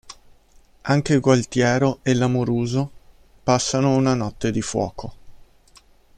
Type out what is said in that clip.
Anche Gualtiero e l'Amoruso passano una notte di fuoco.